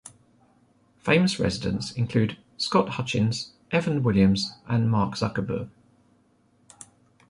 Famous residents include Scott Hutchins, Evan Williams and Mark Zuckerberg.